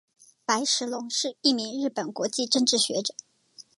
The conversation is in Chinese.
白石隆是一名日本国际政治学者。